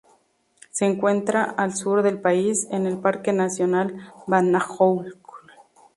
Se encuentra al sur del país, en el Parque nacional Vatnajökull.